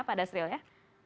pak dasril ya